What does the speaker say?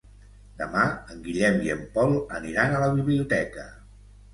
Demà en Guillem i en Pol aniran a la biblioteca.